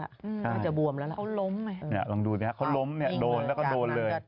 อาจจะบวมแล้วล่ะเขาล้มนะครับเขาล้มเนี่ยโดนแล้วก็โดนเลย